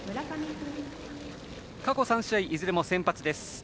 過去３試合いずれも先発です。